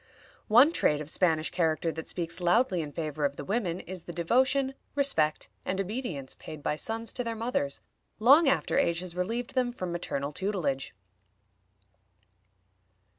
One trait of Spanish character that speaks loudly in favor of the women is the devotion, respect, and obedience paid by sons to their mothers long after age has relieved them from maternal tutelage.